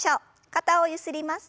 肩をゆすります。